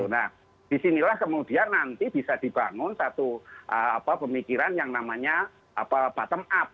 nah disinilah kemudian nanti bisa dibangun satu pemikiran yang namanya bottom up